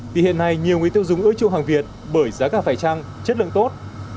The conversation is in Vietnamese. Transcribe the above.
thì hiện nay nhiều người tiêu dùng ưa chuông hàng việt bởi giá cao phải trăng chất lượng tốt